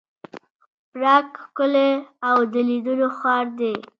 پراګ ښکلی او د لیدلو ښار دی.